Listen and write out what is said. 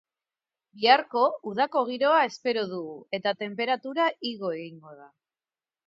Biharko, udako giroa espero dugu, eta tenperatura igo egingo da.